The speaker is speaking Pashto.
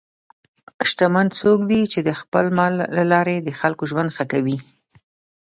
شتمن څوک دی چې د خپل مال له لارې د خلکو ژوند ښه کوي.